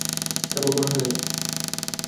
তারপর বড় হয়ে গেলে।